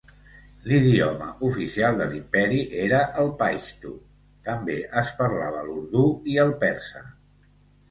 L'idioma oficial de l'imperi era el paixtu; també es parlava l'urdú i el persa.